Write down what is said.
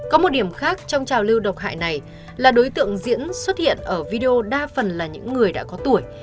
có một điểm khác trong trào lưu độc hại này là đối tượng diễn xuất hiện ở video đa phần là những người đã có tuổi